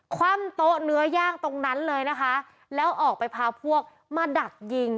คว่ำโต๊ะเนื้อย่างตรงนั้นเลยนะคะแล้วออกไปพาพวกมาดักยิง